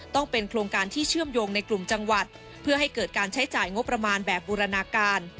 ต้องเป็นโครงการที่เชื่อมโยงในกลุ่มจังหวัดเพื่อให้เกิดการใช้จ่ายงบประมาณแบบบูรณาการ